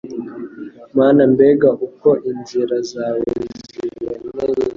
Mana mbega uko inzira zawe ziboneye